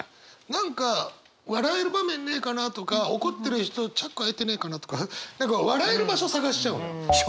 何か笑える場面ねえかなとか怒ってる人チャック開いてねえかなとか何か笑える場所探しちゃうのよ。